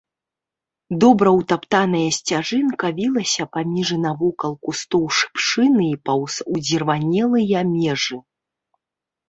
Добра ўтаптаная сцяжынка вілася паміж і навокал кустоў шыпшыны і паўз удзірванелыя межы.